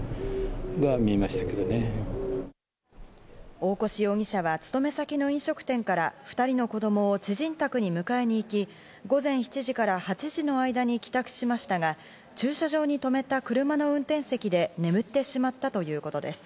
大越容疑者は勤め先の飲食店から２人の子供を知人宅に迎えに行き、午前７時から８時の間に帰宅しましたが、駐車場に停めた車の運転席で眠ってしまったということです。